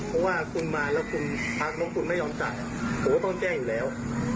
เพราะว่าคุณมาแล้วคุณพักน้องคุณไม่ยอมจ่ายผมก็ต้องแจ้งอยู่แล้ว